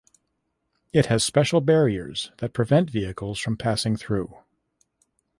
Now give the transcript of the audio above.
It has special barriers that prevent vehicles from passing through.